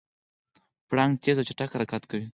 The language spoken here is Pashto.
پړانګ تېز او چټک حرکت کوي.